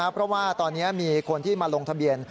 เพราะว่าตอนนี้มีคนที่มาลงทะเบียน